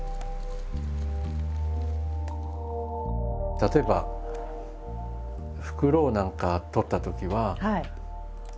例えばフクロウなんか撮ったときは。